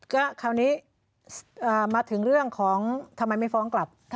ก็คราวนี้มาถึงเรื่องของทำไมไม่ฟ้องกลับ